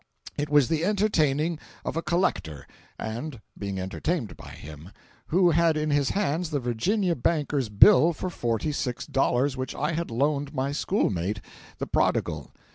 It was the entertaining of a collector (and being entertained by him,) who had in his hands the Virginia banker's bill for forty six dollars which I had loaned my schoolmate, the "Prodigal."